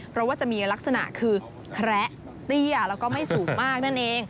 เพราะว่าจะมีลักษณะคือแคระเตี้ยแล้วก็ไม่สูงมากนั่นเอง